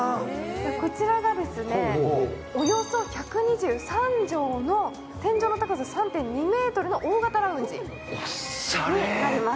こちらがおよそ１２３畳の天井の高さ３．２ｍの大型ラウンジになります。